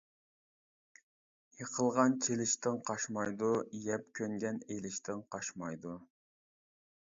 يىقىلغان چېلىشتىن قاچمايدۇ، يەپ كۆنگەن ئېلىشتىن قاچمايدۇ.